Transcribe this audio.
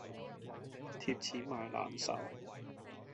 貼錢買難受